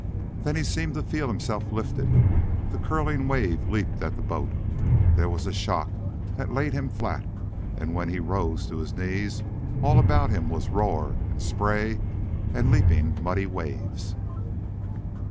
Then he seemed to feel himself lifted; the curling wave leaped at the boat; there was a shock that laid him flat; and when he rose to his knees all about him was roar and spray and leaping, muddy waves.